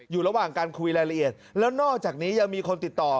อยู่ระหว่างการคุยรายละเอียดแล้วนอกจากนี้ยังมีคนติดต่อ